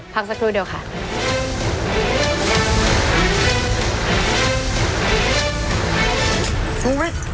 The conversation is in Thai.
พักสักครู่เดียวค่ะ